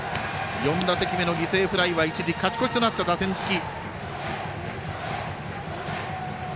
４打席目の犠牲フライは一時、勝ち越しとなった打点つき。